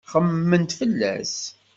Xemmement fell-as.